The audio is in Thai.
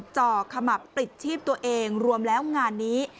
จ่อขมับปลิดชีพตัวเองรวมแล้วงานนี้